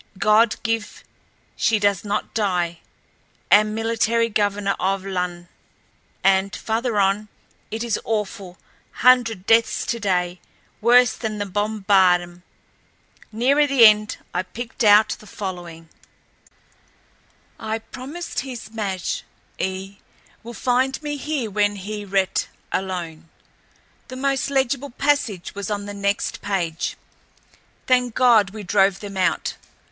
God give she does not die ... am military governor of Lon ..." And farther on: "It is awful ... hundred deaths today ... worse than the bombardm ..." Nearer the end I picked out the following: "I promised his maj ... e will find me here when he ret ... alone." The most legible passage was on the next page: "Thank God we drove them out.